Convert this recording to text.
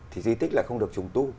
thì di tích lại không được trùng tu